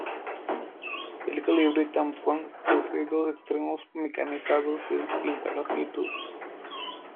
El calibre tampón posee dos extremos mecanizados de distinta longitud.